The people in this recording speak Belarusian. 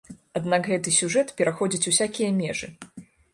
Аднак гэты сюжэт пераходзіць усякія межы.